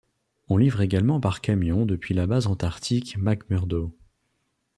On livre également par camion depuis la base antarctique McMurdo.